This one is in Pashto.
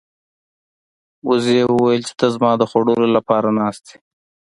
وزې وویل چې ته زما د خوړلو لپاره ناست یې.